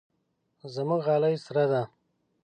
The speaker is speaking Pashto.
زموږ غالۍ سره ده.